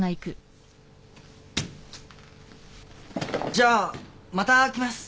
じゃあまた来ます。